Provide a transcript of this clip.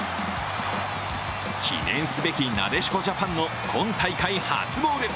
記念すべきなでしこジャパンの今大会初ゴール。